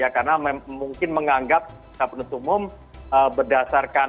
karena mungkin menganggap penuntut umum berdasarkan